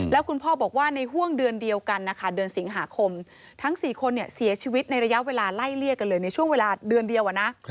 แล้วคุณพ่อบอกว่าในห่วงเดือนเดียวกันนะคะเดือนสิงหาคมทั้ง๔คนเสียชีวิตในระยะเวลาไล่เลี่ยกันเลยในช่วงเวลาเดือนเดียวนะ